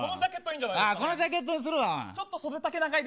このジャケットにするわ。